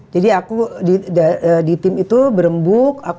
jadi aku di tim itu berembuk